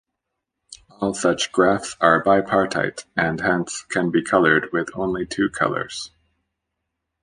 All such graphs are bipartite, and hence can be colored with only two colors.